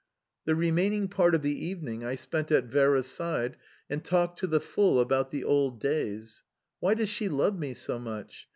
The remaining part of the evening I spent at Vera's side, and talked to the full about the old days... Why does she love me so much?